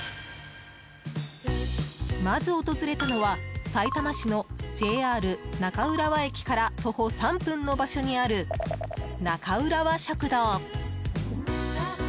まず訪れたのはさいたま市のＪＲ中浦和駅から徒歩３分の場所にあるなかうらわ食堂。